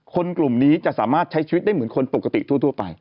คนกลุ่มนี้จะสามารถใช้ชีวิตได้เหมือนคนปกติทั่วไป